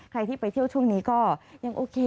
ใครที่ไปเที่ยวช่วงนี้ก็ยังโอเค